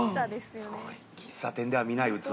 すごい喫茶店では見ない器。